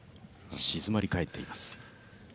静まりかえっています。